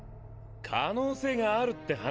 可能性があるって話。